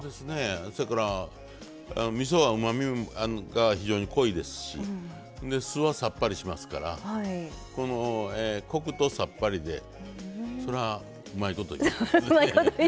せやからみそはうまみが非常に濃いですし酢はさっぱりしますからコクとさっぱりでそらうまいこといきます。